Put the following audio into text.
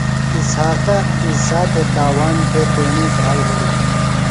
اسحاقہ عیسیٰ تھےۡ تاوان دےۡ تیݨی گھاؤ ہِڑیۡ۔